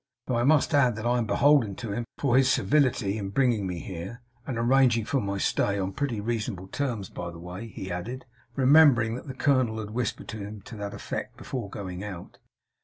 Though I must add that I am beholden to him for his civility in bringing me here and arranging for my stay, on pretty reasonable terms, by the way,' he added, remembering that the colonel had whispered him to that effect, before going out.